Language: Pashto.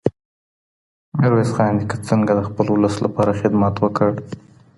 ميرويس خان نيکه څنګه د خپل ولس لپاره خدمت وکړ؟